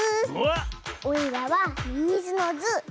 おいらはミミズのズー！